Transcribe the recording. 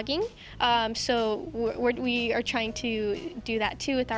jadi kami juga mencoba untuk melakukan itu